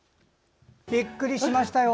びっくりしましたよ